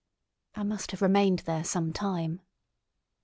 I must have remained there some time.